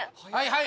はい！